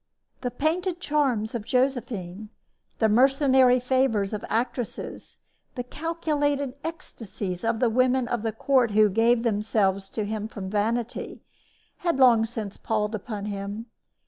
The painted charms of Josephine, the mercenary favors of actresses, the calculated ecstasies of the women of the court who gave themselves to him from vanity, had long since palled upon him.